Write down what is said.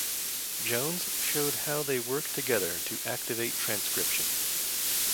Jones showed how they work together to activate transcription.